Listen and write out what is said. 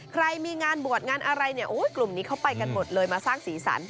ใครมีงานบวชงานอะไรเนี่ยกลุ่มนี้เขาไปกันหมดเลยมาสร้างสีสัน